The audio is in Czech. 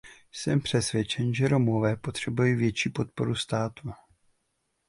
Jsem přesvědčen, že Romové potřebují větší podporu státu.